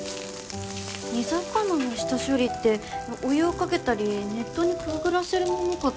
煮魚の下処理ってお湯をかけたり熱湯にくぐらせるものかと。